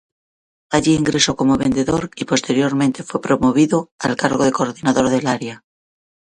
Allí ingresó como vendedor y posteriormente fue promovido al cargo de coordinador del área.